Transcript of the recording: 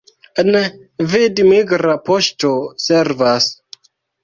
En Vid migra poŝto servas.